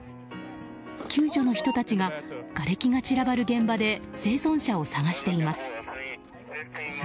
救助の人たちががれきが散らばる現場で生存者を捜しています。